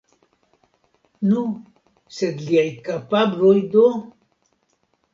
Nu, sed liaj kapabloj do?